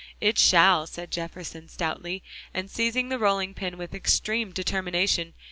"It shall," said Jefferson stoutly, and seizing the rolling pin with extreme determination.